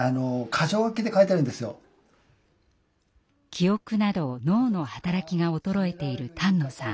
記憶など脳の働きが衰えている丹野さん。